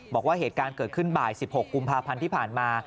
บอกว่าเหตุการณ์เกิดขึ้นบ่าย๑๖กุมภาพันธ์ที่ผ่านมา